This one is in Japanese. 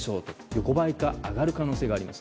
横ばいか上がる可能性があります。